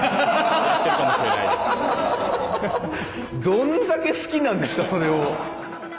どんだけ好きなんですかそれを。